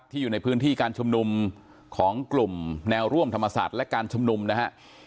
อยู่ในพื้นที่การชุมนุมของกลุ่มแนวร่วมธรรมศาสตร์และการชุมนุมนะฮะ